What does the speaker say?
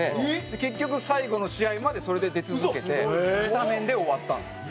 結局最後の試合までそれで出続けてスタメンで終わったんです。